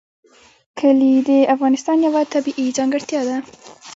کلي د افغانستان یوه طبیعي ځانګړتیا ده.